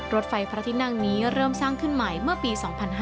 รถไฟพระที่นั่งนี้เริ่มสร้างขึ้นใหม่เมื่อปี๒๕๕๙